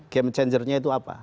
game changernya itu apa